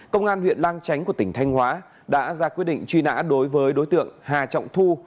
công an huyện lang chánh của tỉnh thanh hóa đã ra quyết định truy nã đối với đối tượng hà trọng thu